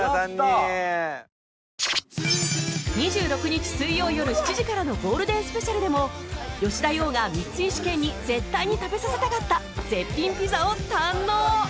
２６日水曜よる７時からのゴールデンスペシャルでも吉田羊が光石研に絶対に食べさせたかった絶品ピザを堪能！